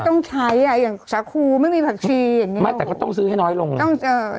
ต้องใช้อ่ะอย่างสาคูไม่มีผักชีอย่างเงี้ไม่แต่ก็ต้องซื้อให้น้อยลงต้องเจอ